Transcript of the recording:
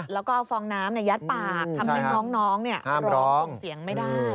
แล้วก็เอาฟองน้ำยัดปากทำให้น้องร้องส่งเสียงไม่ได้